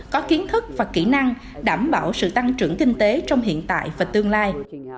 có kiến thức và kỹ năng đảm bảo sự tăng trưởng kinh tế trong hiện tại và tương lai